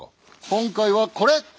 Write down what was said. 今回はこれ！